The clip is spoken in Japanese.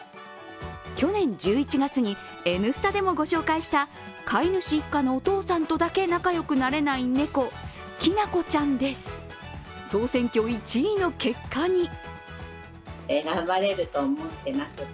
去年１１月に「Ｎスタ」でも御紹介した飼い主一家のお父さんとだけ仲良くなれない猫、きなこちゃんです、総選挙１位の結果に。